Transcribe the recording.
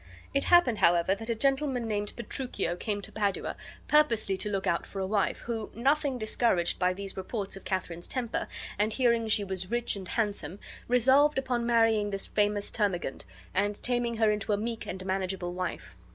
It happened, however, that a gentleman, named Petruchio, came to Padua purposely to look out for a wife, who, nothing discouraged by these reports of Katharine's temper, and hearing she was rich and handsome, resolved upon marrying this famous termagant, and taming her into a meek and manageable wife.